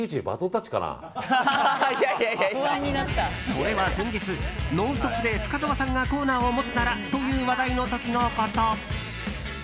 それは先日「ノンストップ！」で深澤さんがコーナーを持つならという話題の時のこと。